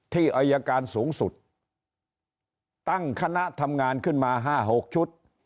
ที่อัยการสูงสุดตั้งคณะทำงานขึ้นมาห้าหกชุด